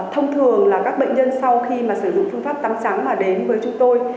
thông thường là các bệnh nhân sau khi mà sử dụng phương pháp tắm trắng mà đến với chúng tôi